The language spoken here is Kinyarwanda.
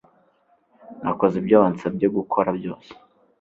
Nakoze ibyo wansabye gukora byose